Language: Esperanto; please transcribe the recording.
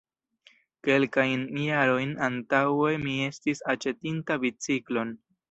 Kelkajn jarojn antaŭe mi estis aĉetinta biciklon.